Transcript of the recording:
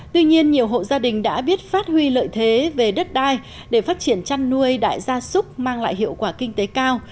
tuy nhiên nhiều hộ gia đình đã biết phát huy lợi thế về đất đai để phát triển chăn nuôi đại gia súc mang lại hiệu quả kinh tế cao